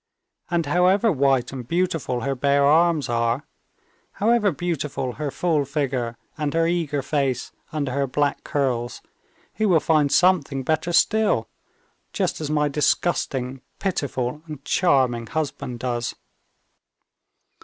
And however white and beautiful her bare arms are, however beautiful her full figure and her eager face under her black curls, he will find something better still, just as my disgusting, pitiful, and charming husband does."